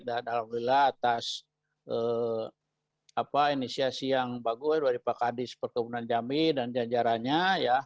dan alhamdulillah atas inisiasi yang bagus dari pak hadis perkebunan jambi dan jajarannya ya